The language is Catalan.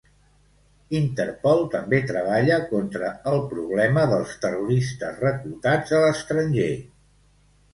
Interpol també treballa contra el problema dels terroristes reclutats a l'estranger.